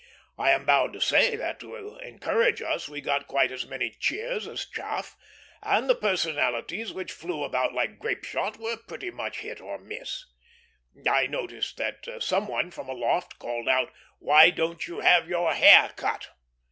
I am bound to say that to encourage us we got quite as many cheers as chaff, and the personalities which flew about like grape shot were pretty much hit or miss. I noticed that some one from aloft called out, "Why don't you have your hair cut?"